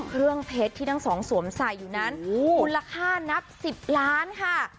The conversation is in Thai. เครื่องเพชรที่ทั้งสองสวมใส่อยู่นั้นมูลค่านับ๑๐ล้านค่ะ